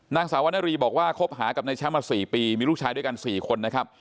นางสาวนรีบอกว่าคบหากับนายแชมป์มา๔ปีมีลูกชายด้วยกัน๔คนนะครับ